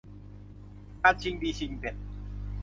การชิงดีชิงเด่น